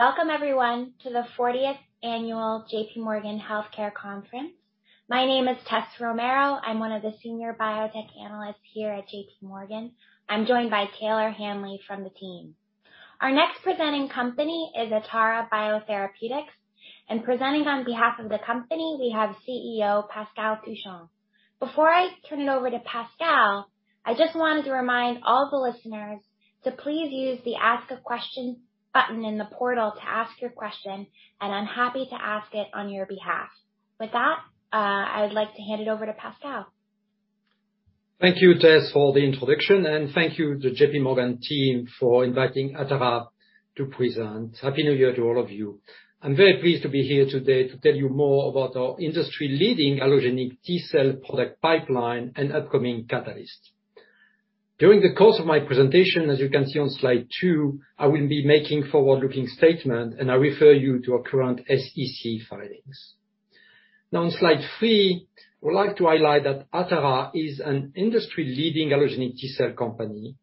Welcome everyone to the 40th annual JPMorgan Healthcare Conference. My name is Tessa Romero. I'm one of the senior biotech analysts here at JPMorgan. I'm joined by Taylor Hanley from the team. Our next presenting company is Atara Biotherapeutics, and presenting on behalf of the company, we have CEO Pascal Touchon. Before I turn it over to Pascal, I just wanted to remind all the listeners to please use the ask a question button in the portal to ask your question, and I'm happy to ask it on your behalf. With that, I'd like to hand it over to Pascal. Thank you, Tessa, for the introduction, and thank you to JPMorgan team for inviting Atara to present. Happy New Year to all of you. I'm very pleased to be here today to tell you more about our industry-leading allogeneic T-cell product pipeline and upcoming catalyst. During the course of my presentation, as you can see on slide two, I will be making forward-looking statement, and I refer you to our current SEC filings. Now, on slide three, I would like to highlight that Atara is an industry-leading allogeneic T-cell company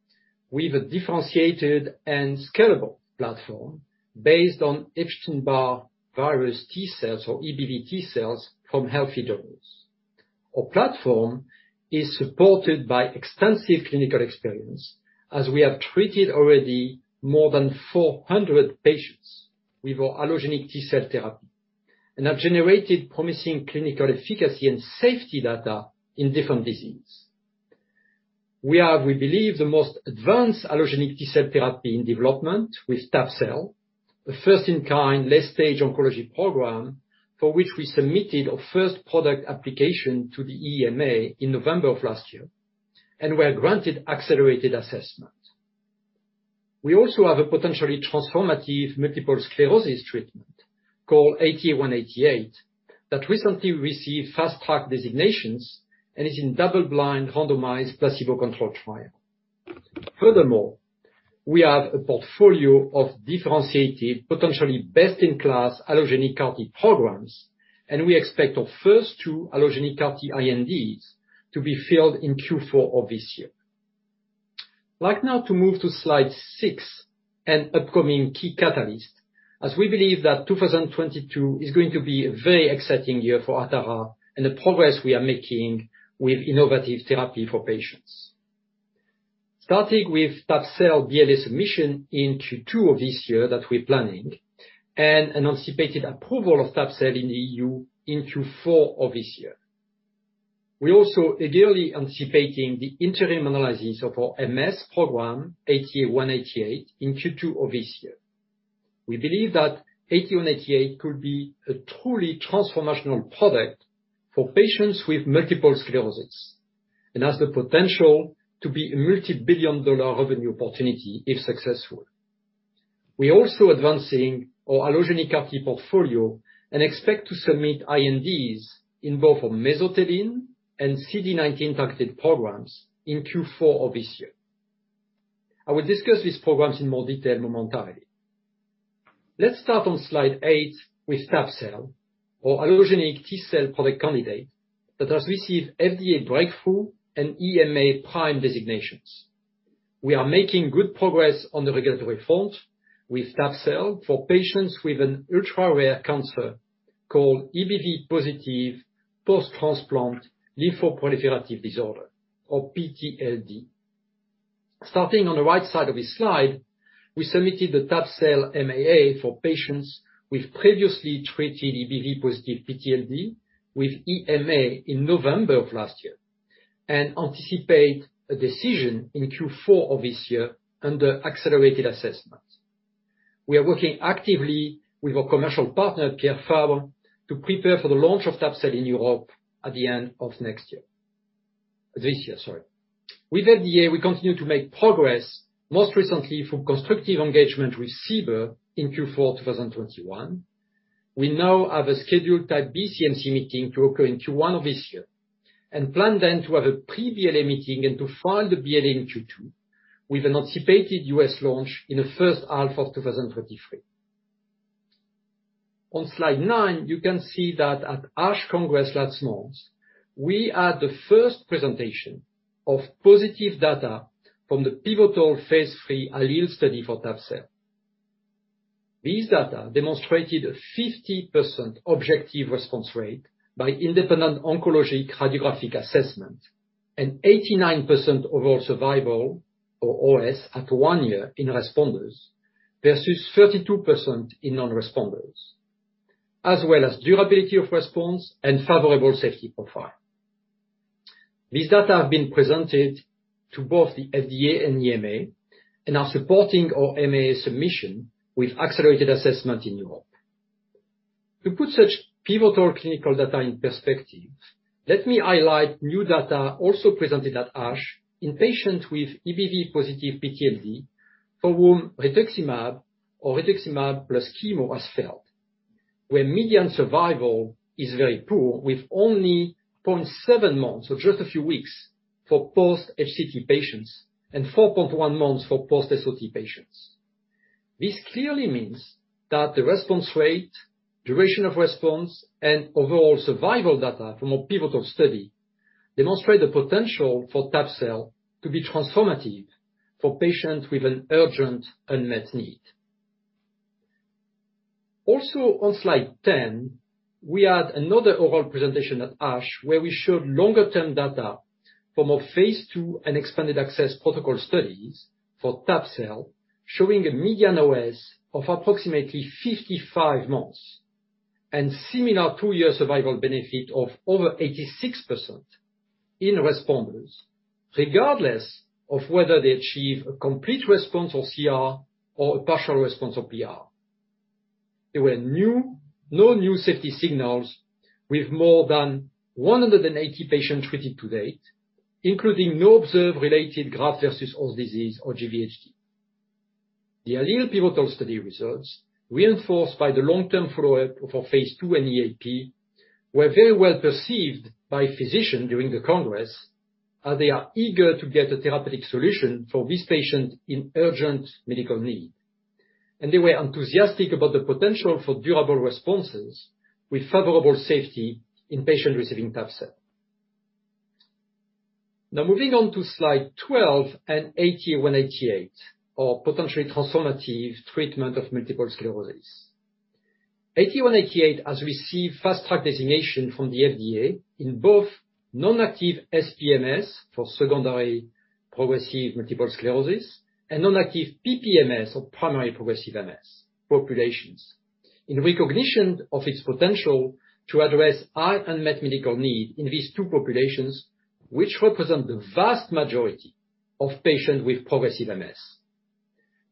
with a differentiated and scalable platform based on Epstein-Barr virus T-cells or EBV T-cells from healthy donors. Our platform is supported by extensive clinical experience as we have treated already more than 400 patients with our allogeneic T-cell therapy and have generated promising clinical efficacy and safety data in different diseases. We are, we believe, the most advanced allogeneic T-cell therapy in development with tab-cel, a first-in-kind late-stage oncology program, for which we submitted our MAA to the EMA in November of last year and were granted accelerated assessment. We also have a potentially transformative multiple sclerosis treatment called ATA188 that recently received Fast Track designation and is in double-blind randomized placebo-controlled trial. Furthermore, we have a portfolio of differentiated, potentially best-in-class allogeneic CAR-T programs, and we expect our first two allogeneic CAR-T INDs to be filed in Q4 of this year. I'd like now to move to slide six and upcoming key catalysts, as we believe that 2022 is going to be a very exciting year for Atara and the progress we are making with innovative therapy for patients. Starting with tab-cel BLA submission in Q2 of this year that we're planning and anticipated approval of tab-cel in EU in Q4 of this year. We're also eagerly anticipating the interim analysis of our MS program, ATA188, in Q2 of this year. We believe that ATA188 could be a truly transformational product for patients with multiple sclerosis and has the potential to be a multi-billion-dollar revenue opportunity if successful. We're also advancing our allogeneic CAR-T portfolio and expect to submit INDs in both our mesothelin and CD19 targeted programs in Q4 of this year. I will discuss these programs in more detail momentarily. Let's start on slide eight with tab-cel, our allogeneic T-cell product candidate that has received FDA breakthrough and EMA prime designations. We are making good progress on the regulatory front with tab-cel for patients with an ultra-rare cancer called EBV positive post-transplant lymphoproliferative disorder, or PTLD. Starting on the right side of this slide, we submitted the tab-cel MAA for patients with previously treated EBV positive PTLD with EMA in November of last year and anticipate a decision in Q4 of this year under accelerated assessment. We are working actively with our commercial partner, Pierre Fabre, to prepare for the launch of tab-cel in Europe at the end of next year. This year, sorry. With FDA, we continue to make progress, most recently through constructive engagement with CBER in Q4 of 2021. We now have a scheduled type B CMC meeting to occur in Q1 of this year and plan then to have a pre-BLA meeting and to file the BLA in Q2, with anticipated U.S. launch in the first half of 2023. On slide nine, you can see that at ASH Congress last month, we had the first presentation of positive data from the pivotal phase III ALLELE study for tab-cel. These data demonstrated a 50% objective response rate by independent oncology radiographic assessment and 89% overall survival or OS at one year in responders versus 32% in non-responders, as well as durability of response and favorable safety profile. These data have been presented to both the FDA and EMA and are supporting our MAA submission with accelerated assessment in Europe. To put such pivotal clinical data in perspective, let me highlight new data also presented at ASH in patients with EBV-positive PTLD for whom rituximab or rituximab plus chemo has failed. Where median survival is very poor with only 0.7 months, so just a few weeks for post-HCT patients and 4.1 months for post-SOT patients. This clearly means that the response rate, duration of response, and overall survival data from our pivotal study demonstrate the potential for tabelecleucel to be transformative for patients with an urgent unmet need. On slide ten, we had another overall presentation at ASH, where we showed longer-term data from our phase II and expanded access protocol studies for tab-cel, showing a median OS of approximately 55 months and similar two-year survival benefit of over 86% in responders, regardless of whether they achieve a complete response or CR or a partial response or PR. No new safety signals with more than 180 patients treated to date, including no observed related graft versus host disease or GVHD. The ALLELE pivotal study results, reinforced by the long-term follow-up of our phase II and EAP, were very well perceived by physicians during the congress, as they are eager to get a therapeutic solution for these patients in urgent medical need. They were enthusiastic about the potential for durable responses with favorable safety in patients receiving tab-cel. Now moving on to slide 12 and ATA188 or potentially transformative treatment of multiple sclerosis. ATA188 has received Fast Track designation from the FDA in both non-active SPMS, for secondary progressive multiple sclerosis, and non-active PPMS, or primary progressive MS populations, in recognition of its potential to address our unmet medical need in these two populations, which represent the vast majority of patients with progressive MS.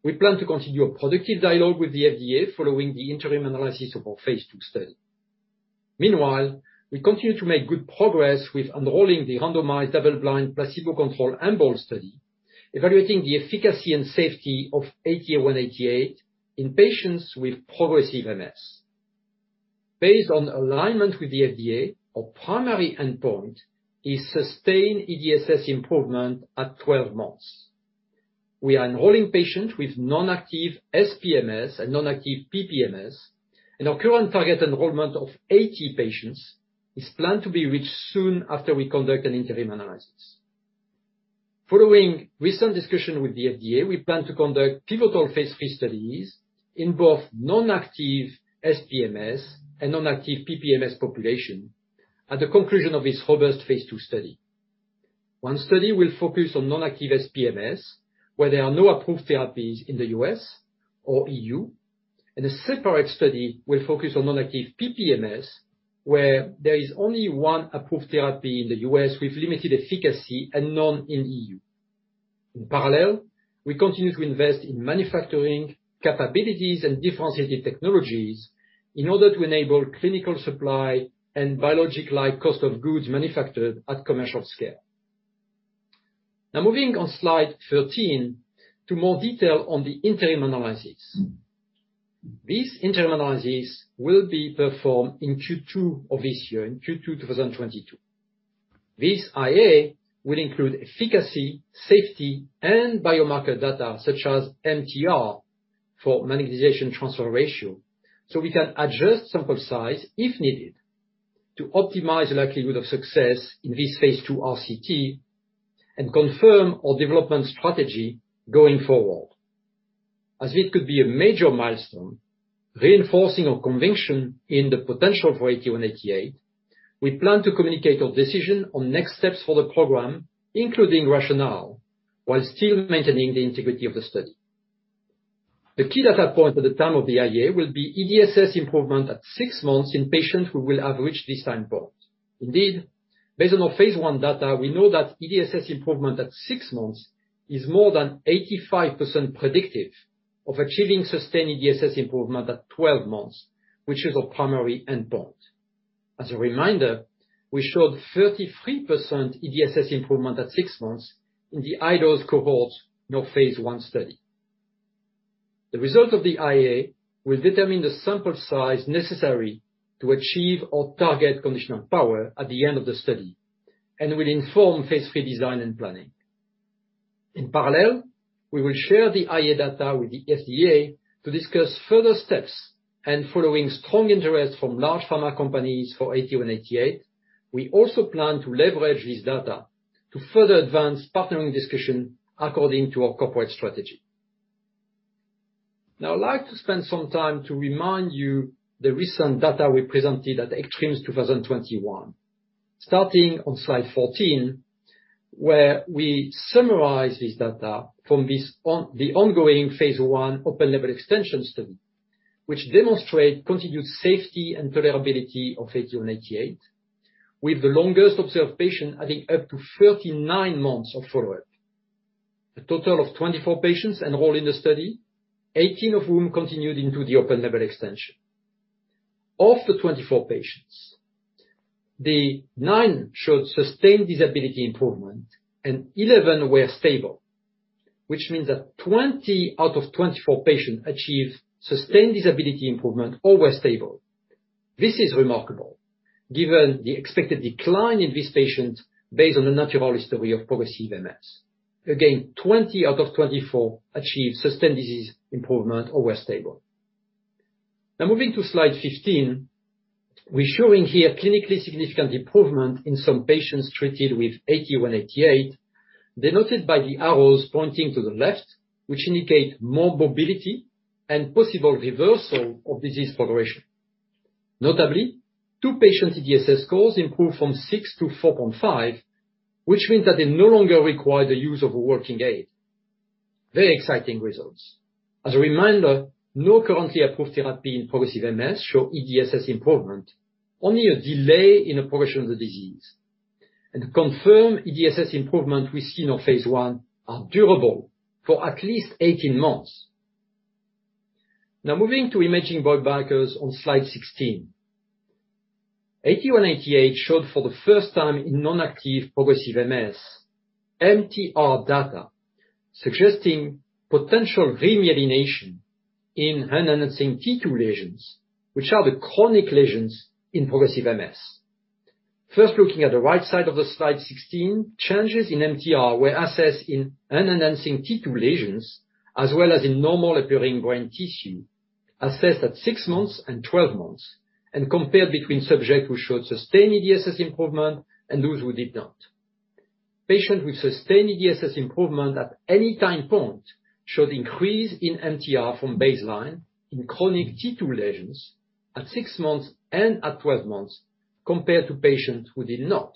We plan to continue a productive dialogue with the FDA following the interim analysis of our phase II study. Meanwhile, we continue to make good progress with enrolling the randomized double-blind placebo-controlled EMBOLD study, evaluating the efficacy and safety of ATA188 in patients with progressive MS. Based on alignment with the FDA, our primary endpoint is sustained EDSS improvement at 12 months. We are enrolling patients with non-active SPMS and non-active PPMS, and our current target enrollment of 80 patients is planned to be reached soon after we conduct an interim analysis. Following recent discussion with the FDA, we plan to conduct pivotal phase III studies in both non-active SPMS and non-active PPMS population at the conclusion of this robust phase II study. One study will focus on non-active SPMS, where there are no approved therapies in the U.S. or EU. A separate study will focus on non-active PPMS, where there is only one approved therapy in the U.S. with limited efficacy and none in EU. In parallel, we continue to invest in manufacturing capabilities and differentiated technologies in order to enable clinical supply and biologic-like cost of goods manufactured at commercial scale. Now moving on slide 13 to more detail on the interim analysis. This interim analysis will be performed in Q2 of this year, in Q2 2022. This IA will include efficacy, safety, and biomarker data such as MTR, for magnetization transfer ratio, so we can adjust sample size, if needed to optimize the likelihood of success in this phase II RCT and confirm our development strategy going forward. As it could be a major milestone, reinforcing our conviction in the potential for ATA188, we plan to communicate our decision on next steps for the program, including rationale, while still maintaining the integrity of the study. The key data point at the time of the IA will be EDSS improvement at six months in patients who will have reached this time point. Indeed, based on our phase I data, we know that EDSS improvement at six months is more than 85% predictive of achieving sustained EDSS improvement at 12 months, which is our primary endpoint. As a reminder, we showed 33% EDSS improvement at six months in the high-dose cohort in our phase I study. The result of the IA will determine the sample size necessary to achieve our target conditional power at the end of the study and will inform phase III design and planning. In parallel, we will share the IA data with the FDA to discuss further steps and following strong interest from large pharma companies for ATA188, we also plan to leverage this data to further advance partnering discussion according to our corporate strategy. Now I would like to spend some time to remind you the recent data we presented at ECTRIMS 2021. Starting on slide 14, where we summarize this data from the ongoing phase I open-label extension study, which demonstrate continued safety and tolerability of ATA188, with the longest observed patient having up to 39 months of follow-up. A total of 24 patients enrolled in the study, 18 of whom continued into the open-label extension. Of the 24 patients, nine showed sustained disability improvement and 11 were stable, which means that 20 out of 24 patients achieved sustained disability improvement or were stable. This is remarkable given the expected decline in these patients based on the natural history of progressive MS. Again, 20 out of 24 achieved sustained disease improvement or were stable. Now moving to slide 15, we're showing here clinically significant improvement in some patients treated with ATA188 denoted by the arrows pointing to the left, which indicate more mobility and possible reversal of disease progression. Notably, two patients EDSS scores improved from 6-4.5, which means that they no longer require the use of a walking aid. Very exciting results. As a reminder, no currently approved therapy in progressive MS show EDSS improvement, only a delay in the progression of the disease. Confirmed EDSS improvement we've seen on phase I are durable for at least 18 months. Now moving to imaging biomarkers on slide 16. ATA188 showed for the first time in non-active progressive MS MTR data suggesting potential remyelination in unenhancing T2 lesions, which are the chronic lesions in progressive MS. First, looking at the right side of the slide 16, changes in MTR were assessed in unenhancing T2 lesions as well as in normal appearing brain tissue, assessed at six months and 12 months, and compared between subjects who showed sustained EDSS improvement and those who did not. Patients with sustained EDSS improvement at any time point showed increase in MTR from baseline in chronic T2 lesions at six months and at 12 months compared to patients who did not.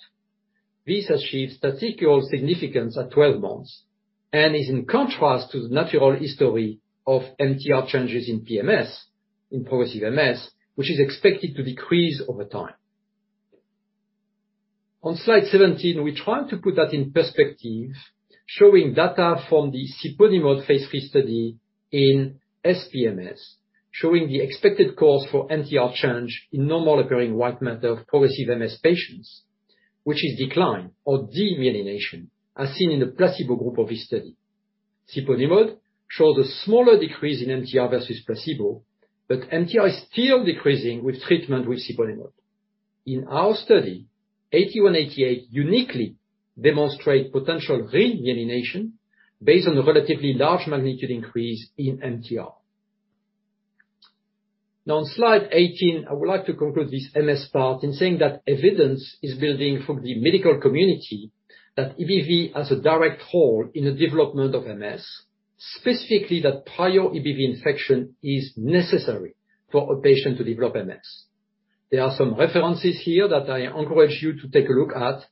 This achieves statistical significance at 12 months and is in contrast to the natural history of MTR changes in PMS, in progressive MS, which is expected to decrease over time. On slide 17, we try to put that in perspective, showing data from the siponimod phase III study in SPMS, showing the expected course for MTR change in normal appearing white matter of progressive MS patients, which is decline or demyelination, as seen in the placebo group of this study. Siponimod shows a smaller decrease in MTR versus placebo, but MTR is still decreasing with treatment with siponimod. In our study, ATA188 uniquely demonstrate potential remyelination based on the relatively large magnitude increase in MTR. Now on slide 18, I would like to conclude this MS part in saying that evidence is building from the medical community that EBV has a direct role in the development of MS, specifically that prior EBV infection is necessary for a patient to develop MS. There are some references here that I encourage you to take a look at,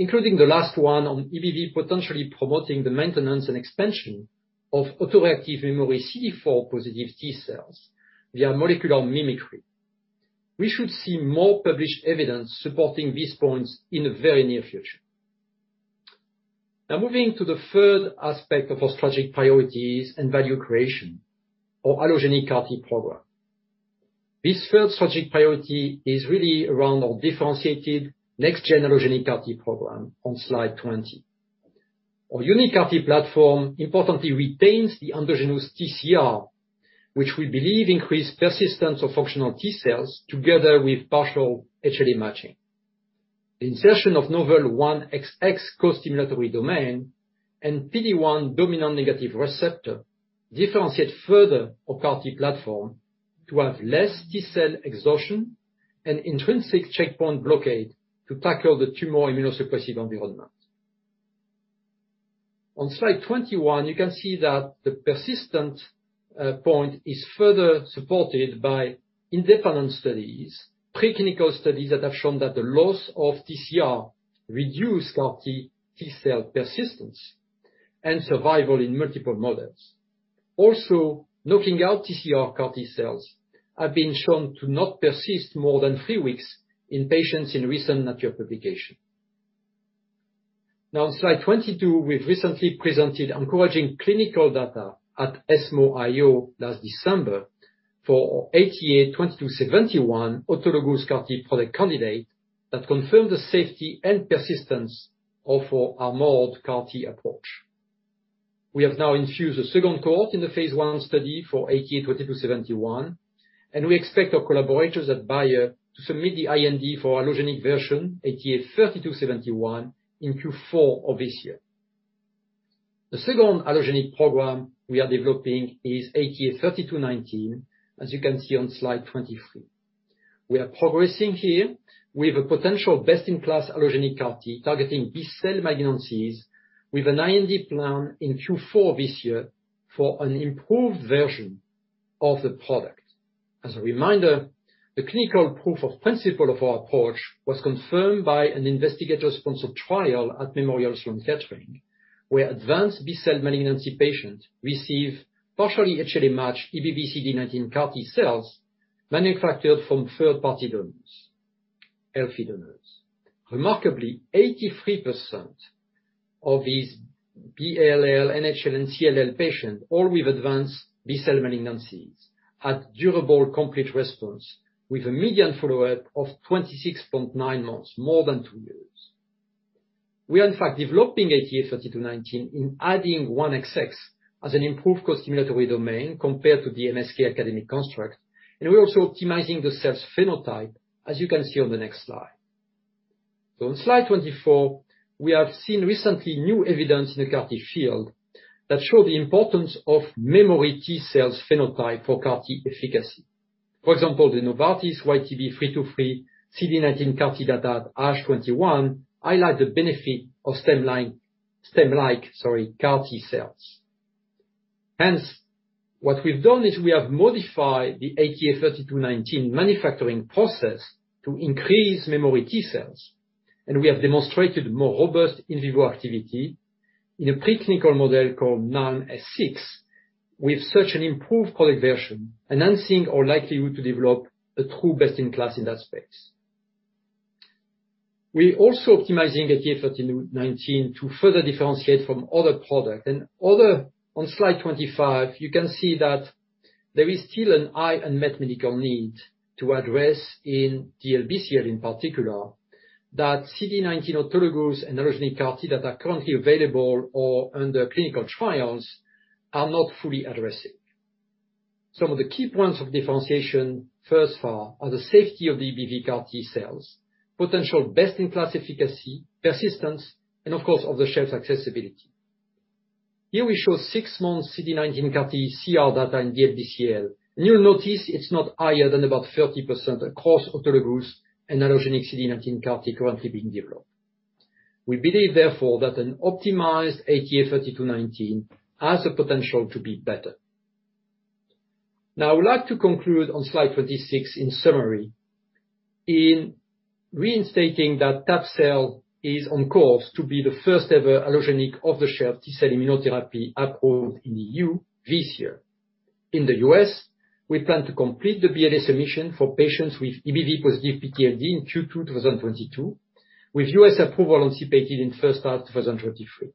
including the last one on EBV potentially promoting the maintenance and expansion of autoreactive memory CD4-positive T cells via molecular mimicry. We should see more published evidence supporting these points in the very near future. Now moving to the third aspect of our strategic priorities and value creation, our allogeneic CAR-T program. This third strategic priority is really around our differentiated next-gen allogeneic CAR-T program on slide 20. Our uniCAR-T platform importantly retains the endogenous TCR, which we believe increase persistence of functional T cells together with partial HLA matching. The insertion of novel 1XX costimulatory domain and PD-1 dominant negative receptor differentiate further our CAR-T platform to have less T cell exhaustion and intrinsic checkpoint blockade to tackle the tumor immunosuppressive environment. On slide 21, you can see that the persistent point is further supported by independent studies, preclinical studies that have shown that the loss of TCR reduce CAR-T T cell persistence and survival in multiple models. Also, knocking out TCR CAR-T cells have been shown to not persist more than three weeks in patients in recent Nature publication. Now on slide 22, we've recently presented encouraging clinical data at ESMO IO last December for our ATA2271 autologous CAR-T product candidate that confirmed the safety and persistence of our armored CAR-T approach. We have now infused a second cohort in the phase I study for ATA2271, and we expect our collaborators at Bayer to submit the IND for allogeneic version, ATA3271, in Q4 of this year. The second allogeneic program we are developing is ATA3219, as you can see on slide 23. We are progressing here with a potential best-in-class allogeneic CAR-T targeting B-cell malignancies with an IND plan in Q4 this year for an improved version of the product. As a reminder, the clinical proof of principle of our approach was confirmed by an investigator-sponsored trial at Memorial Sloan Kettering, where advanced B-cell malignancy patients receive partially HLA-matched EBV CD19 CAR-T cells manufactured from third-party donors, healthy donors. Remarkably, 83% of these ALL, NHL and CLL patients, all with advanced B-cell malignancies, had durable complete response with a median follow-up of 26.9 months, more than two years. We are in fact developing ATA3219 by adding 1XX as an improved costimulatory domain compared to the MSK academic construct. We're also optimizing the cell phenotype, as you can see on the next slide. On slide 24, we have seen recently new evidence in the CAR-T field that show the importance of memory T-cell phenotype for CAR-T efficacy. For example, the Novartis YTB323 CD19 CAR-T data at ASH 2021 highlight the benefit of stemlike, sorry, CAR-T cells. Hence, what we've done is we have modified the ATA3219 manufacturing process to increase memory T-cells, and we have demonstrated more robust in vivo activity in a preclinical model called NALM-6 with such an improved quality version, enhancing our likelihood to develop a true best-in-class in that space. We're also optimizing ATA3219 to further differentiate from other product. On slide 25, you can see that there is still a high unmet medical need to address in DLBCL in particular, that CD19 autologous and allogeneic CAR-T that are currently available or under clinical trials are not fully addressing. Some of the key points of differentiation, first are the safety of EBV CAR-T cells, potential best-in-class efficacy, persistence, and of course, off-the-shelf accessibility. Here we show six months CD19 CAR-T CR data in DLBCL, and you'll notice it's not higher than about 30% across autologous and allogeneic CD19 CAR-T currently being developed. We believe, therefore, that an optimized ATA3219 has the potential to be better. Now, I would like to conclude on slide 26 in summary, in reinstating that tab-cel is on course to be the first-ever allogeneic off-the-shelf T-cell immunotherapy approved in EU this year. In the U.S., we plan to complete the BLA submission for patients with EBV positive PTLD in Q2 2022, with U.S. approval anticipated in first half 2023.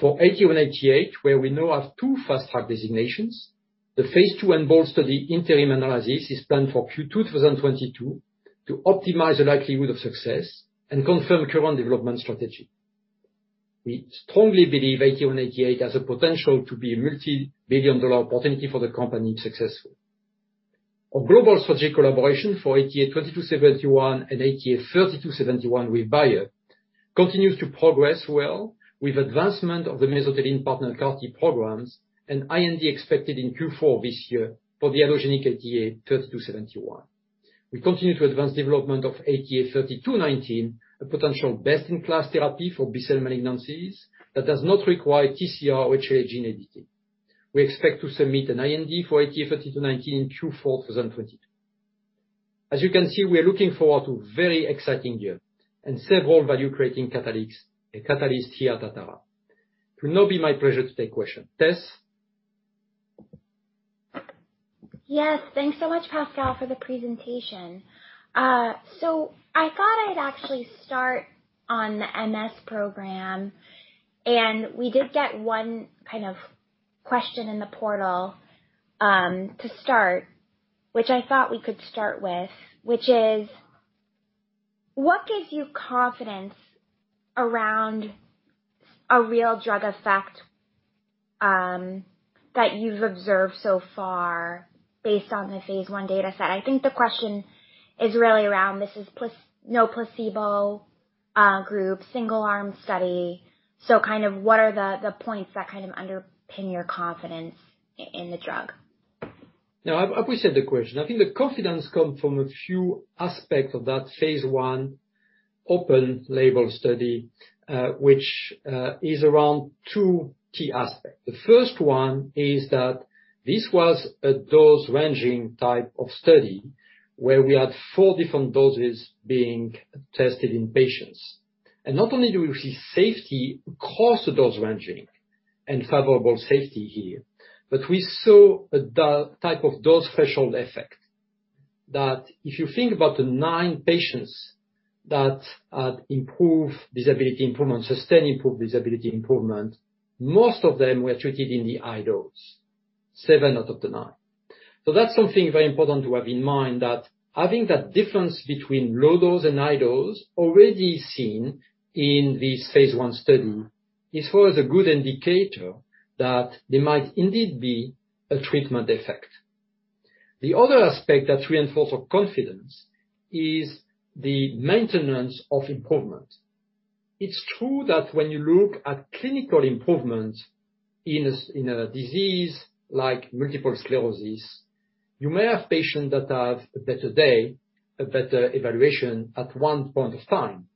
For ATA188, where we now have two Fast Track designations, the phase II EMBOLD study interim analysis is planned for Q2 2022 to optimize the likelihood of success and confirm current development strategy. We strongly believe ATA188 has a potential to be a multi-billion dollar opportunity for the company if successful. Our global strategic collaboration for ATA2271 and ATA3271 with Bayer continues to progress well with advancement of the mesothelin partner CAR-T programs, and IND expected in Q4 this year for the allogeneic ATA3271. We continue to advance development of ATA3219, a potential best-in-class therapy for B-cell malignancies that does not require TCR or HLA gene editing. We expect to submit an IND for ATA3219 in Q4 2022. As you can see, we are looking forward to a very exciting year and several value-creating catalysts here at Atara. It will now be my pleasure to take questions. Tessa? Yes, thanks so much Pascal for the presentation. I thought I'd actually start on the MS program, and we did get one, kind of, question in the portal to start, which I thought we could start with, which is what gives you confidence around a real drug effect that you've observed so far based on the phase I data set? I think the question is really around this is no placebo group, single arm study, kind of what are the points that kind of underpin your confidence in the drug? No, I appreciate the question. I think the confidence come from a few aspects of that phase I open-label study, which is around two key aspects. The first one is that this was a dose-ranging type of study where we had four different doses being tested in patients. Not only do we see safety across the dose-ranging and favorable safety here, but we saw a dose-type of dose threshold effect that if you think about the nine patients that had improved disability improvement, sustained improved disability improvement, most of them were treated in the high dose, seven out of the nine. That's something very important to have in mind, that having that difference between low dose and high dose already seen in this phase I study is always a good indicator that there might indeed be a treatment effect. The other aspect that reinforce our confidence is the maintenance of improvement. It's true that when you look at clinical improvement in a disease like multiple sclerosis, you may have patients that have a better day, a better evaluation at one point of time.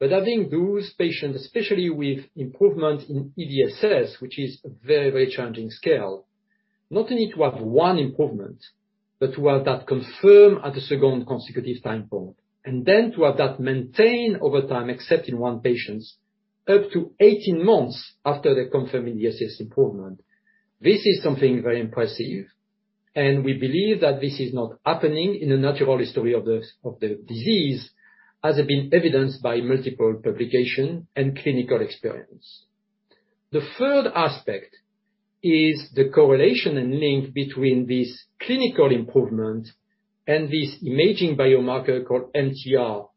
Having those patients, especially with improvement in EDSS, which is a very, very challenging scale, not only to have one improvement, but to have that confirmed at a second consecutive time point, and then to have that maintained over time, except in one patient, up to 18 months after the confirmed EDSS improvement, this is something very impressive, and we believe that this is not happening in the natural history of the disease, as has been evidenced by multiple publication and clinical experience. The third aspect is the correlation and link between this clinical improvement and this imaging biomarker called MTR,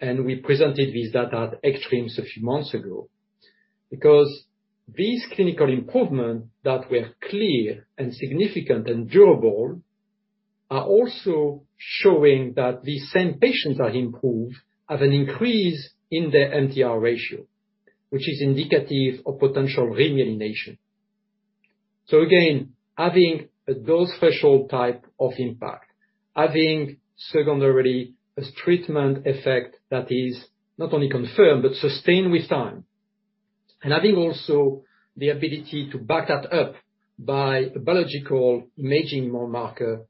and we presented this data at ECTRIMS a few months ago. Because these clinical improvement that were clear and significant and durable are also showing that these same patients are improved, have an increase in their MTR ratio, which is indicative of potential remyelination. Again, having a dose threshold type of impact, having secondarily a treatment effect that is not only confirmed but sustained with time, and having also the ability to back that up by a biological imaging biomarker,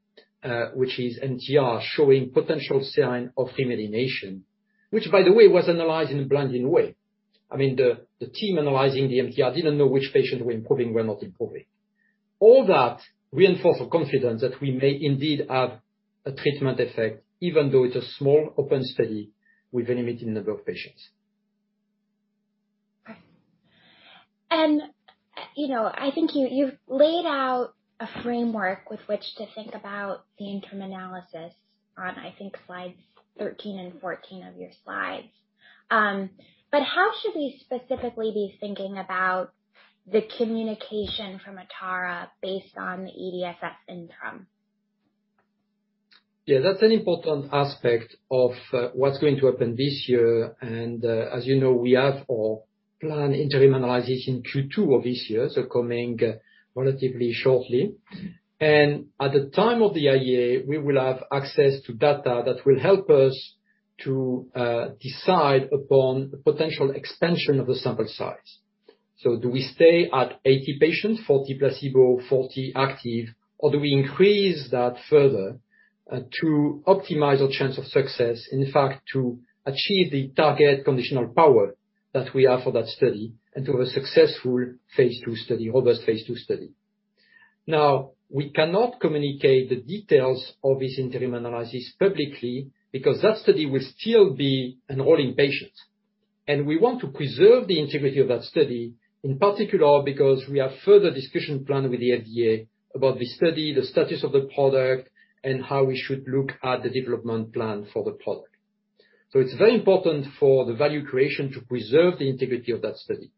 which is MTR, showing potential sign of remyelination, which, by the way, was analyzed in a blinding way. I mean, the team analyzing the MTR didn't know which patient were improving, were not improving. All that reinforce our confidence that we may indeed have a treatment effect, even though it's a small open study with a limited number of patients. Okay.I think you've laid out a framework with which to think about the interim analysis on, I think, slides 13 and 14 of your slides. How should we specifically be thinking about the communication from Atara based on the EDSS interim? Yeah, that's an important aspect of what's going to happen this year. As you know, we have our planned interim analysis in Q2 of this year, so coming relatively shortly. At the time of the IA, we will have access to data that will help us to decide upon the potential extension of the sample size. Do we stay at 80 patients, 40 placebo, 40 active? Or do we increase that further to optimize our chance of success, in fact, to achieve the target conditional power that we have for that study and to have a successful phase II study, robust phase II study. Now, we cannot communicate the details of this interim analysis publicly because that study will still be enrolling patients. We want to preserve the integrity of that study, in particular because we have further discussion planned with the FDA about the study, the status of the product, and how we should look at the development plan for the product. It's very important for the value creation to preserve the integrity of that study.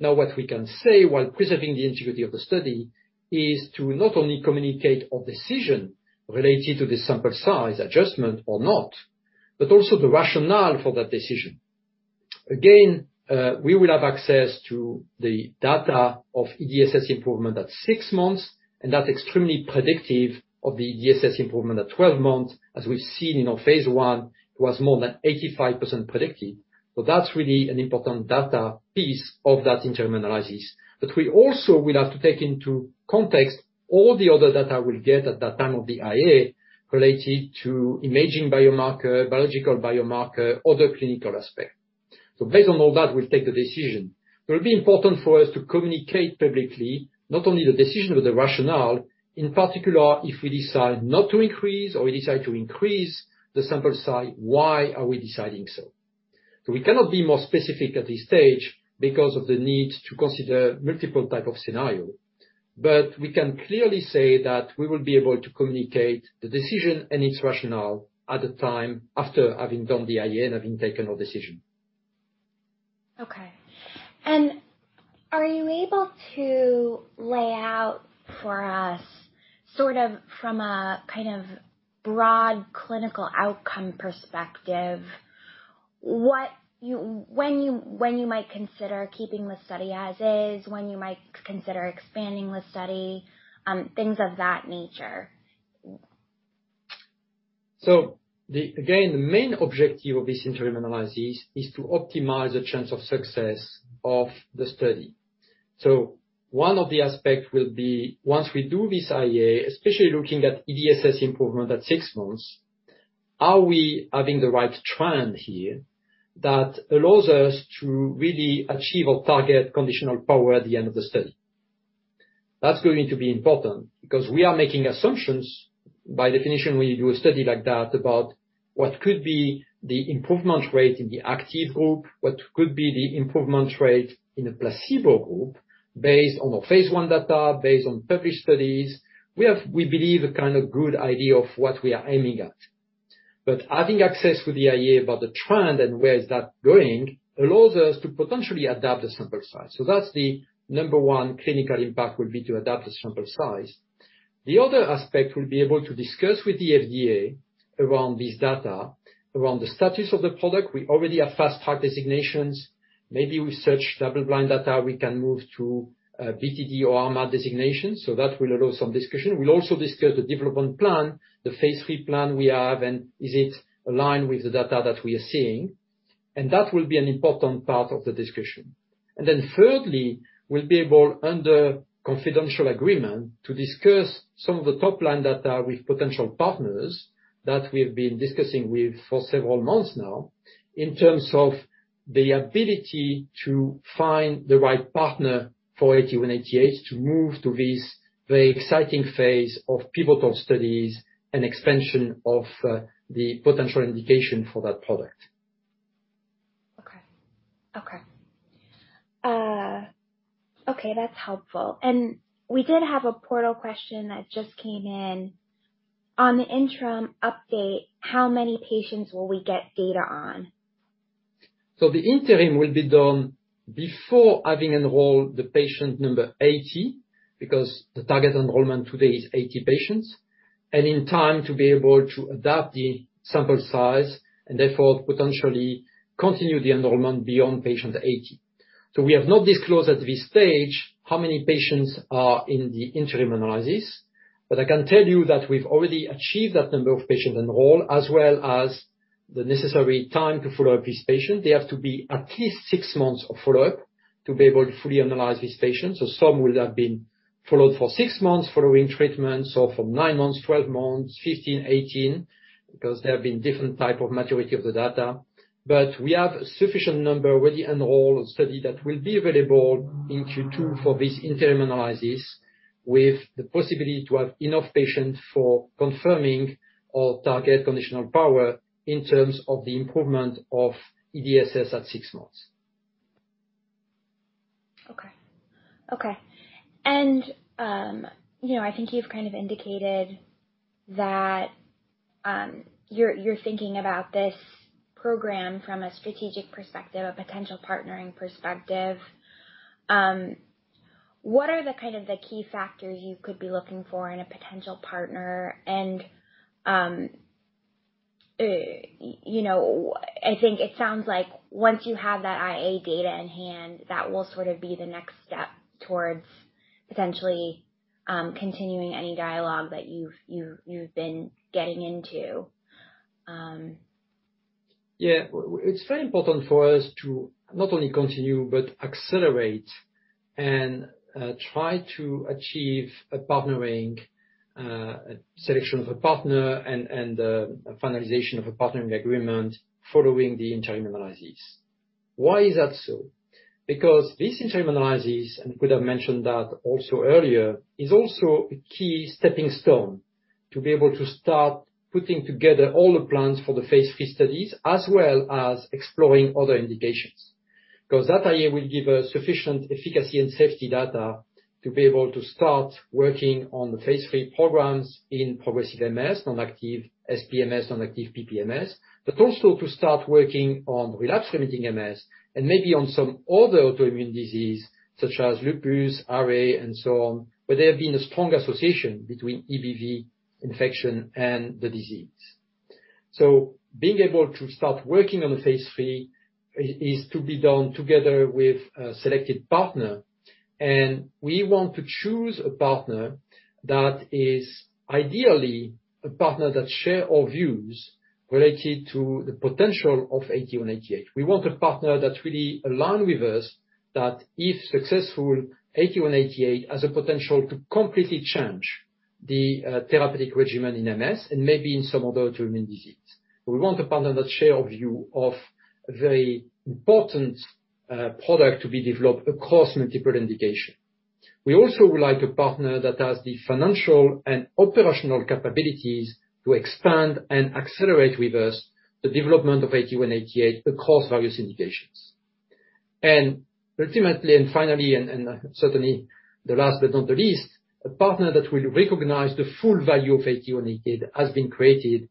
Now, what we can say while preserving the integrity of the study is to not only communicate our decision related to the sample size adjustment or not, but also the rationale for that decision. Again, we will have access to the data of EDSS improvement at six months, and that's extremely predictive of the EDSS improvement at 12 months. As we've seen in our phase I, it was more than 85% predicted. That's really an important data piece of that interim analysis. We also will have to take into context all the other data we'll get at that time of the IA related to imaging biomarker, biological biomarker, other clinical aspect. Based on all that, we'll take the decision. It will be important for us to communicate publicly not only the decision but the rationale, in particular if we decide not to increase or we decide to increase the sample size, why are we deciding so? We cannot be more specific at this stage because of the need to consider multiple type of scenario. We can clearly say that we will be able to communicate the decision and its rationale at the time after having done the IA and having taken our decision. Okay. Are you able to lay out for us, sort of from a kind of broad clinical outcome perspective, when you might consider keeping the study as is, when you might consider expanding the study, things of that nature? Again, the main objective of this interim analysis is to optimize the chance of success of the study. One of the aspect will be once we do this IA, especially looking at EDSS improvement at six months, are we having the right trend here that allows us to really achieve our target conditional power at the end of the study? That's going to be important because we are making assumptions, by definition, when you do a study like that, about what could be the improvement rate in the active group, what could be the improvement rate in the placebo group, based on our phase I data, based on published studies. We have, we believe, a kind of good idea of what we are aiming at. Having access to the IA about the trend and where is that going allows us to potentially adapt the sample size. That's the number one clinical impact would be to adapt the sample size. The other aspect we'll be able to discuss with the FDA around this data, around the status of the product. We already have Fast Track designations. Maybe with such double-blind data we can move to BTD or RMAT designation, so that will allow some discussion. We'll also discuss the development plan, the phase III plan we have, and is it aligned with the data that we are seeing. That will be an important part of the discussion. Thirdly, we'll be able, under confidential agreement, to discuss some of the top line data with potential partners that we've been discussing with for several months now, in terms of the ability to find the right partner for ATU and ATH to move to this very exciting phase of pivotal studies and expansion of the potential indication for that product. Okay, that's helpful. We did have a portal question that just came in. On the interim update, how many patients will we get data on? The interim will be done before having enrolled the patient number 80, because the target enrollment today is 80 patients, and in time to be able to adapt the sample size and therefore potentially continue the enrollment beyond patient 80. We have not disclosed at this stage how many patients are in the interim analysis, but I can tell you that we've already achieved that number of patient enrollment, as well as the necessary time to follow up these patients. They have to be at least six months of follow-up to be able to fully analyze these patients. Some will have been followed for six months following treatment, so for nine months, 12 months, 15, 18, because there have been different type of maturity of the data. We have a sufficient number already enrolled in the study that will be available in Q2 for this interim analysis, with the possibility to have enough patients for confirming our target conditional power in terms of the improvement of EDSS at six months. Okay. I think you've kind of indicated that you're thinking about this program from a strategic perspective, a potential partnering perspective. What are the kind of key factors you could be looking for in a potential partner? You know, I think it sounds like once you have that IA data in hand, that will sort of be the next step towards potentially continuing any dialogue that you've been getting into. Yeah. It's very important for us to not only continue, but accelerate and try to achieve a partnering selection of a partner and a finalization of a partnering agreement following the interim analysis. Why is that so? Because this interim analysis, and could have mentioned that also earlier, is also a key stepping stone to be able to start putting together all the plans for the phase III studies, as well as exploring other indications. Because that IA will give us sufficient efficacy and safety data to be able to start working on the phase III programs in progressive MS, non-active SPMS, non-active PPMS. Also to start working on relapsing-remitting MS and maybe on some other autoimmune disease such as lupus, RA and so on, where there have been a strong association between EBV infection and the disease. Being able to start working on the phase III is to be done together with a selected partner. We want to choose a partner that is ideally a partner that share our views related to the potential of ATA188. We want a partner that really align with us, that if successful, ATA188 has a potential to completely change the therapeutic regimen in MS and maybe in some other autoimmune disease. We want a partner that share our view of a very important product to be developed across multiple indication. We also would like a partner that has the financial and operational capabilities to expand and accelerate with us the development of ATA188 across various indications. Ultimately, finally, and certainly last but not least, a partner that will recognize the full value of ATA188 as being created,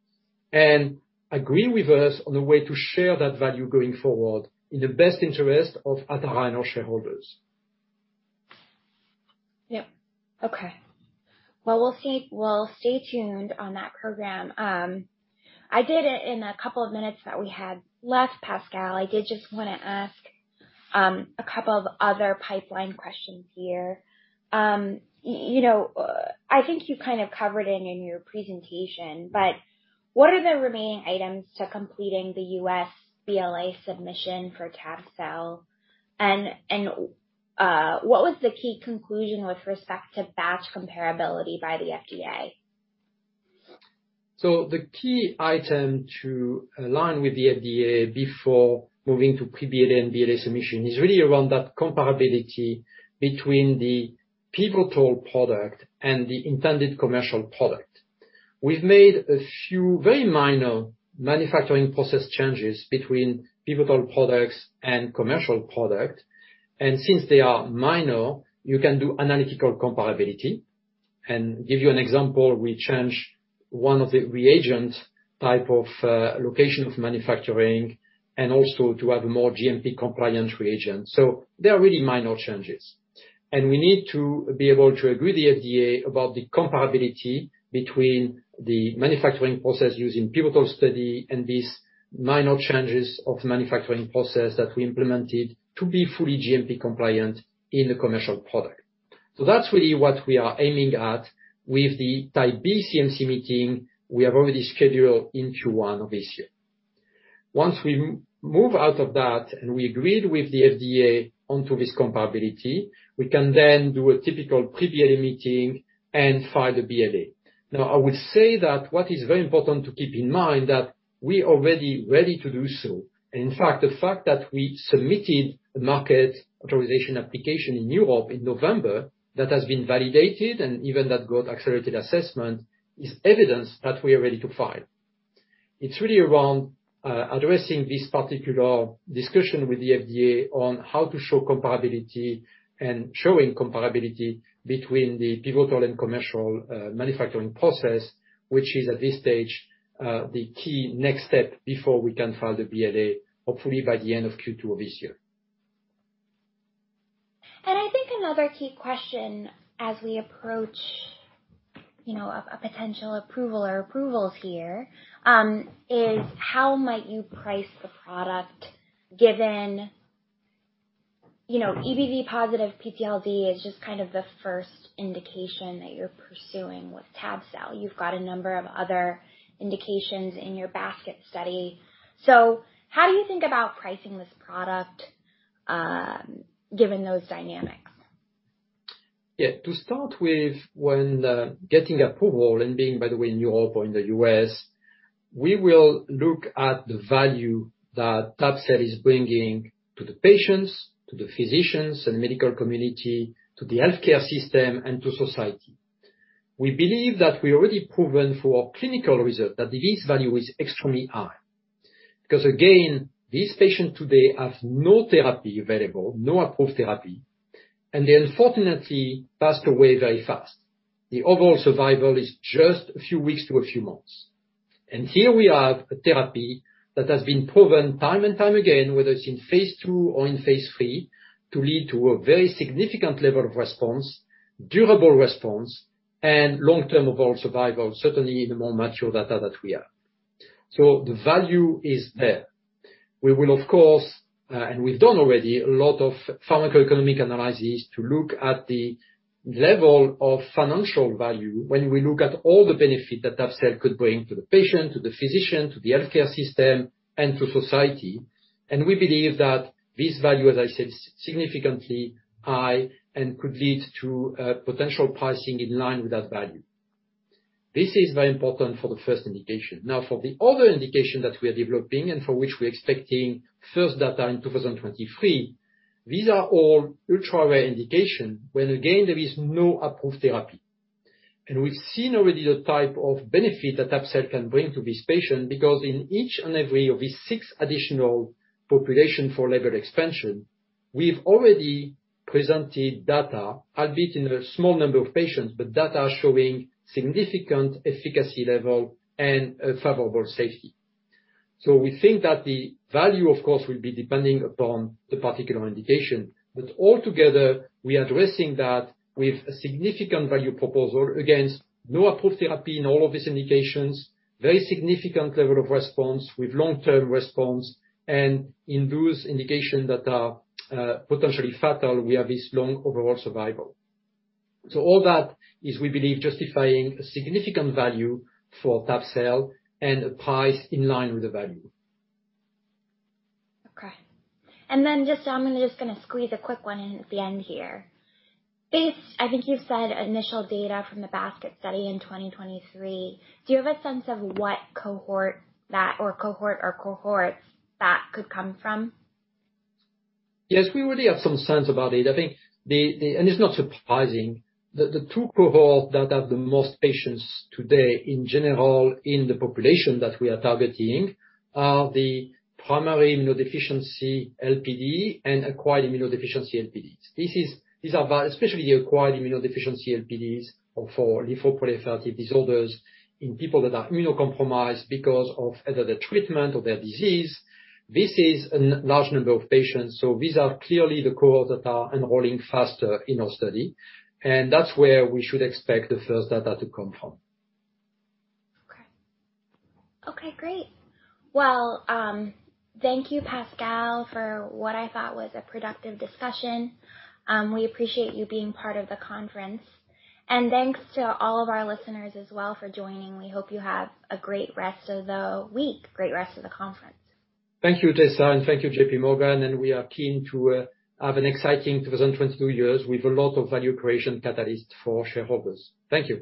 and agree with us on the way to share that value going forward in the best interest of Atara shareholders. Yep. Okay. Well, we'll see. We'll stay tuned on that program. In the couple of minutes that we have left, Pascal, I did just wanna ask a couple of other pipeline questions here. I think you kind of covered it in your presentation, but what are the remaining items to completing the U.S. BLA submission for tabelecleucel? And what was the key conclusion with respect to batch comparability by the FDA? The key item to align with the FDA before moving to pre-BLA and BLA submission is really around that comparability between the pivotal product and the intended commercial product. We've made a few very minor manufacturing process changes between pivotal products and commercial product, and since they are minor, you can do analytical comparability. Give you an example, we changed one of the reagents, the location of manufacturing and also to have more GMP compliant reagents. They are really minor changes. We need to be able to agree with the FDA about the comparability between the manufacturing process used in pivotal study and these minor changes of manufacturing process that we implemented to be fully GMP compliant in the commercial product. That's really what we are aiming at with the type B CMC meeting we have already scheduled in Q1 of this year. Once we move out of that, and we agreed with the FDA onto this comparability, we can then do a typical pre-BLA meeting and file the BLA. Now, I would say that what is very important to keep in mind that we already ready to do so. In fact, the fact that we submitted the market authorization application in Europe in November, that has been validated and even that got accelerated assessment, is evidence that we are ready to file. It's really around addressing this particular discussion with the FDA on how to show comparability and showing comparability between the pivotal and commercial manufacturing process, which is, at this stage, the key next step before we can file the BLA, hopefully by the end of Q2 of this year. I think another key question as we approach, a potential approval or approvals here, is how might you price the product given EBV positive PTLD is just kind of the first indication that you're pursuing with tab-cel. You've got a number of other indications in your basket study. How do you think about pricing this product, given those dynamics? Yeah, to start with, when getting approval and being, by the way, in Europe or in the US, we will look at the value that tab-cel is bringing to the patients, to the physicians and medical community, to the healthcare system, and to society. We believe that we already proven through our clinical result that this value is extremely high. Because again, these patients today have no therapy available, no approved therapy, and they unfortunately pass away very fast. The overall survival is just a few weeks to a few months. Here we have a therapy that has been proven time and time again, whether it's in phase II or in phase III, to lead to a very significant level of response, durable response, and long-term overall survival, certainly in the more mature data that we have. The value is there. We will of course and we've done already a lot of pharmacoeconomic analysis to look at the level of financial value when we look at all the benefit that tab-cel could bring to the patient, to the physician, to the healthcare system, and to society. We believe that this value, as I said, significantly high and could lead to potential pricing in line with that value. This is very important for the first indication. Now, for the other indication that we are developing and for which we're expecting first data in 2023, these are all ultra-rare indication, where again there is no approved therapy. We've seen already the type of benefit that tab-cel can bring to this patient, because in each and every of these six additional population for label expansion, we've already presented data, albeit in a small number of patients, but data showing significant efficacy level and, favorable safety. We think that the value, of course, will be depending upon the particular indication. Altogether, we are addressing that with a significant value proposal against no approved therapy in all of these indications, very significant level of response with long-term response, and in those indications that are, potentially fatal, we have this long overall survival. All that is, we believe, justifying a significant value for tab-cel and a price in line with the value. Okay. Then just I'm gonna squeeze a quick one in at the end here. I think you've said initial data from the basket study in 2023, do you have a sense of what cohort or cohorts that could come from? Yes, we already have some sense about it. I think it's not surprising that the two cohorts that have the most patients today in general in the population that we are targeting are the primary immunodeficiency LPD and acquired immunodeficiency LPDs. Especially the acquired immunodeficiency LPDs or for lymphoproliferative disorders in people that are immunocompromised because of either the treatment or their disease. This is a large number of patients, so these are clearly the cohorts that are enrolling faster in our study. That's where we should expect the first data to come from. Okay, great. Well, thank you, Pascal, for what I thought was a productive discussion. We appreciate you being part of the conference. Thanks to all of our listeners as well for joining. We hope you have a great rest of the week, great rest of the conference. Thank you, Tessa, and thank you, JPMorgan, and we are keen to have an exciting 2022 years with a lot of value creation catalyst for shareholders. Thank you.